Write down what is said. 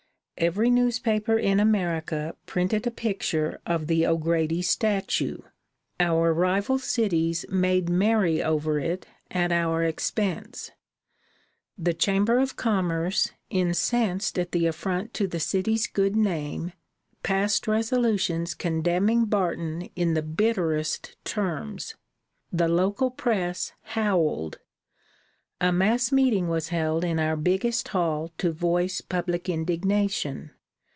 Every newspaper in America printed a picture of the O'Grady statue; our rival cities made merry over it at our expense. The Chamber of Commerce, incensed at the affront to the city's good name, passed resolutions condemning Barton in the bitterest terms; the local press howled; a mass meeting was held in our biggest hall to voice public indignation.